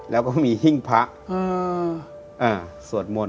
แล้วก็มีหิ้งพระสวดมนต์